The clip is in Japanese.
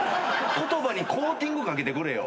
言葉にコーティングかけてくれよ。